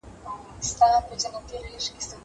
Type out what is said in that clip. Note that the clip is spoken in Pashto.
زه پرون د ښوونځی لپاره امادګي نيولی!